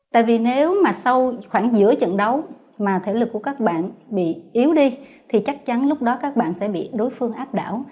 tại vì nếu mà sau khoảng giữa trận đấu mà thể lực của các bạn bị yếu đi thì chắc chắn lúc đó các bạn sẽ bị đối phương áp đảo